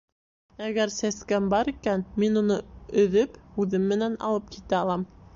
Әгәр сәскәм бар икән, мин уны өҙөп үҙем менән алып китә алам.